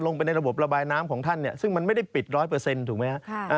ลงไปในระบบระบายน้ำของท่านเนี่ยซึ่งมันไม่ได้ปิด๑๐๐ถูกไหมฮะ